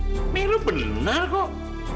ini lu benar kok